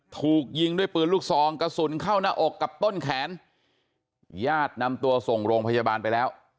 ถูกยิงด้วยปืนลูกซองกระสุนเข้าหน้าอกกับต้นแขนญาตินำตัวส่งโรงพยาบาลไปแล้ว